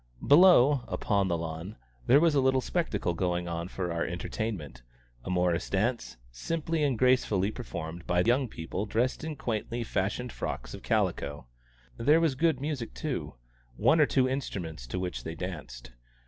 Below, upon the lawn, there was a little spectacle going on for our entertainment a morris dance, simply and gracefully performed by young people dressed in quaintly fashioned frocks of calico; there was good music too one or two instruments, to which they danced.